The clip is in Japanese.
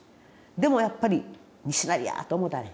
でもやっぱり西成やと思うたんや。